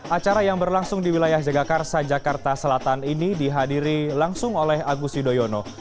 acara yang berlangsung di wilayah jagakarsa jakarta selatan ini dihadiri langsung oleh agus yudhoyono